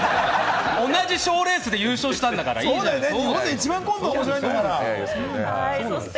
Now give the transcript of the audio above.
同じ賞レースで優勝したからいいじゃないですか。